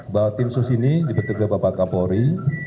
bahwa tim sus ini dibentuk oleh bapak kapolri